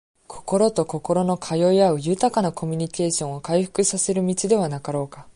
心と心の通い合う、豊かなコミュニケーションを回復させる道ではなかろうか。